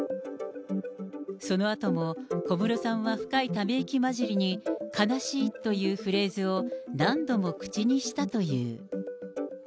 そのあとも、小室さんは深いため息交じりに、悲しいというフレーズを何度も口にしたという。